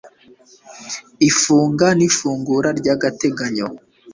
ifunga n ifungura ry agateganyo